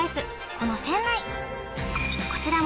この船内